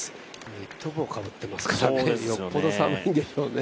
ニット帽をかぶっていますからよっぽど寒いんでしょうね。